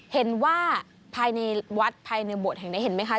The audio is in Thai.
เห็นว่าภายในวัดภายในโบสถ์แห่งนี้เห็นไหมคะ